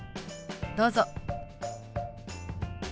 どうぞ。